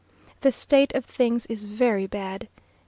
The state of things is very bad.